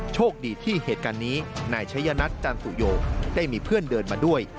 โชคดีที่เหตุการณ์นี้นายชัยนัทจันสุโยได้มีเพื่อนเดินมาด้วย